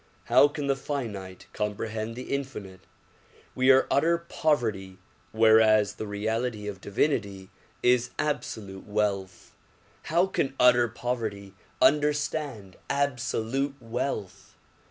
How can the finite comprehend the infinite ? We are utter poverty whereas the reality of divinity is absolute wealth. How can utter poverty understand absolute wealth?